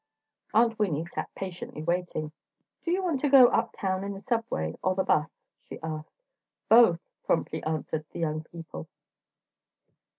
Aunt Winnie sat patiently waiting. "Do you want to go uptown in the subway or the 'bus," she asked. "Both!" promptly answered the young people.